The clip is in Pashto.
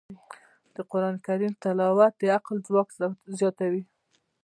د قرآن تلاوت د عقل ځواک زیاتوي.